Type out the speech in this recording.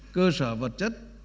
cơ sở vật chất